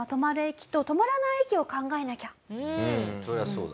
うんそりゃそうだ。